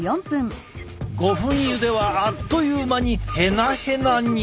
５分ゆではあっという間にヘナヘナに。